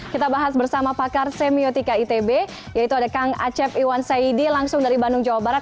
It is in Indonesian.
kita bahas bersama pakar semiotika itb yaitu ada kang acep iwan saidi langsung dari bandung jawa barat